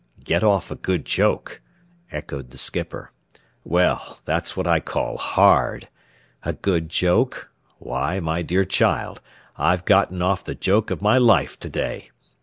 "Get off a good joke?" echoed the skipper. "Well, that's what I call hard. A good joke? Why, my dear child, I've gotten off the joke of my life to day.